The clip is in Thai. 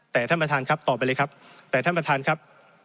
แต่ท่านประธานครับตอบไปเลยครับแต่ท่านประธานครับ